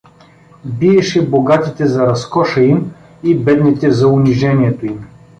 Биеше богатите за разкоша им и бедните за унижението им.